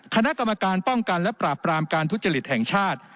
คณะกรรมการปกปกทแห่งชาติ